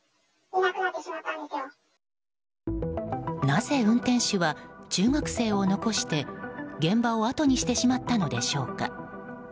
なぜ運転手は中学生を残して現場をあとにしてしまったのでしょうか。